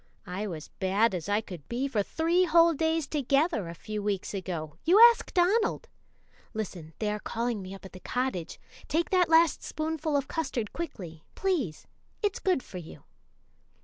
I was bad as I could be for three whole days together a few weeks ago you ask Donald! Listen! they are calling me up at the cottage. Take that last spoonful of custard quickly, please; it's good for you.